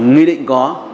nghi định có